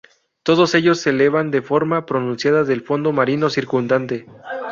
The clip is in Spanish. Todos ellos se elevan de forma pronunciada del fondo marino circundante.